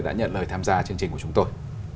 đã nhận lời tham gia chương trình của chúng tôi